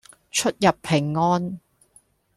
出入平安